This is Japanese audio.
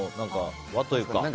和というか。